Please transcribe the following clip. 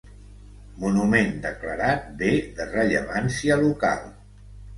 Monument declarat Bé de Rellevància Local.